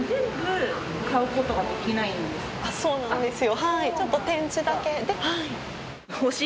そうなんですよ。